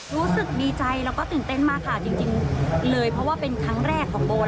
รู้สึกดีใจแล้วก็ตื่นเต้นมากค่ะจริงเลยเพราะว่าเป็นครั้งแรกของโบ